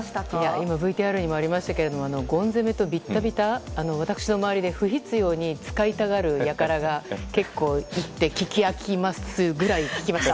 今、ＶＴＲにもありましたけれどもゴン攻めとビッタビタ私の周りで不必要に使いたがる輩が結構いて聞き飽きますぐらい聞きました。